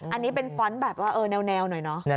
อันนี้เป็นฟ้อนต์แบบว่าแนวหน่อยเนอะ